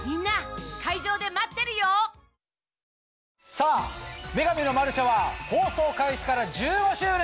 さぁ『女神のマルシェ』は放送開始から１５周年。